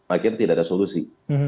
akhirnya tidak ada solusi